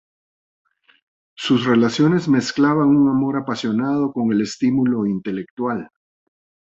Sus relaciones mezclaban un amor apasionado con el estímulo intelectual.